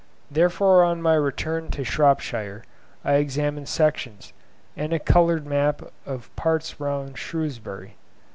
Therefore on my return to Shropshire I examined sections, and coloured a map of parts round Shrewsbury.